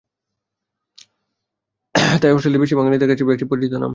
তাই অস্ট্রেলিয়াতে স্থায়ী বাঙালিদের কাছে ইস্ট লেকস বেশ পরিচিত একটি নাম।